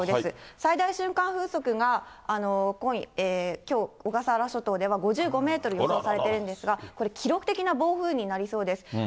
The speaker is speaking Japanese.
最大瞬間風速がきょう小笠原諸島では５５メートル予想されているんですが、これ、記録的な暴風になりそうです。